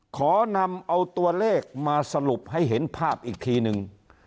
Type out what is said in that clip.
ขอนำเอาตัวเลขมาสรุปให้เห็นภาพอีกทีนึง